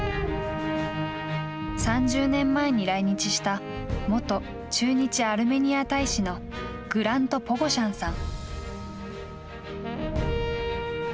３０年前に来日した元駐日アルメニア大使のグラント・ポゴシャンさん。